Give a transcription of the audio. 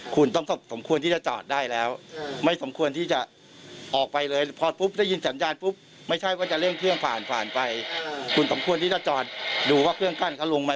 คุณต้องควรที่จะจอดดูว่าเครื่องกั้นเขาลงไป